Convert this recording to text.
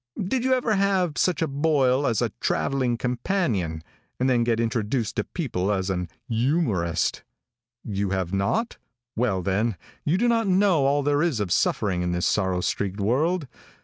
Did you ever have such a boil as a traveling companion, and then get introduced to people as an youmorist? You have not? Well, then, you do not know all there is of suffering in this sorrow streaked world.